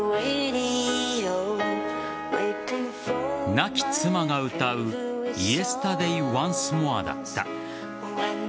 亡き妻が歌う「イエスタデイ・ワンス・モア」だった。